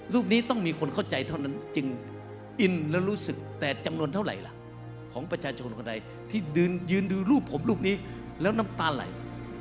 รูปนี้ต้องมีคนเข้าใจเท่านั้นจึงอินแล้วรู้สึกแต่จำนวนเท่าไหร่ล่ะของประชาชนคนใดที่ยืนดูรูปผมรูปนี้แล้วน้ำตาไหล